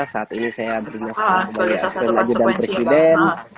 saat ini saya berinas sebagai asisten aju dan presiden